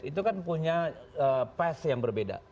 itu kan punya pas yang berbeda